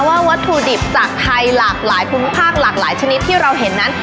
วัตถุดิบจากไทยหลากหลายภูมิภาคหลากหลายชนิดที่เราเห็นนั้น